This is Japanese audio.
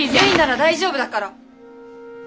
結なら大丈夫だから！